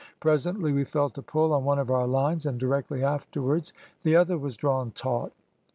Presently we felt a pull on one of our lines, and directly afterwards the other was drawn taut.